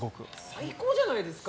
最高じゃないですか。